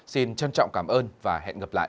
xin trân trọng cảm ơn và hẹn gặp lại